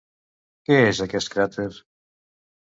Què és aquest cràter?